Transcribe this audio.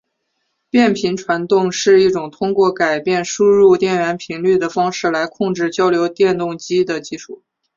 变频传动是一种通过改变输入电源频率的方式来控制交流电动机的技术。